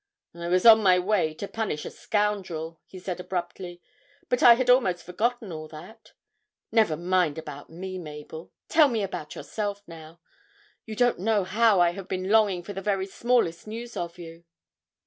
'I was on my way to punish a scoundrel,' he said abruptly, 'but I had almost forgotten all that. Never mind about me, Mabel; tell me about yourself now. You don't know how I have been longing for the very smallest news of you!'